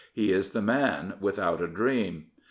He is the man without a dream.